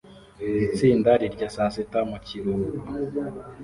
Itsinda rirya saa sita mu kiruhuko